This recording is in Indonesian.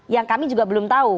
yang kami juga belum tahu